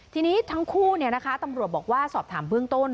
ทีนี้ทั้งคู่ตำรวจบอกว่าสอบถามเบื้องต้น